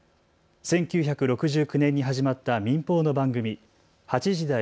１９６９年に始まった民放の番組、８時だョ！